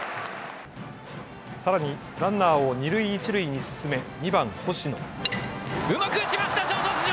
さらにランナーを二塁一塁に進め２番・星野。